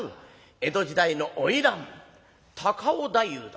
江戸時代の花魁高尾太夫だ」。